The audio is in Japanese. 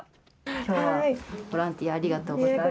きょうはボランティア、ありがとうございます。